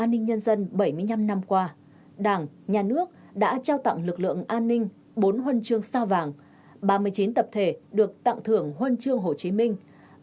an ninh nhân dân bảy mươi năm năm qua đảng nhà nước đã trao tặng lực lượng an ninh bốn huân chương sao vàng ba mươi chín tập thể được tặng thưởng huân chương hồ chí minh